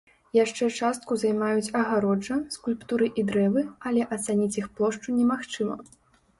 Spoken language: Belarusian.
Яшчэ частку займаюць агароджа, скульптуры і дрэвы, але ацаніць іх плошчу немагчыма.